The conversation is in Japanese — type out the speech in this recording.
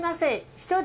１人？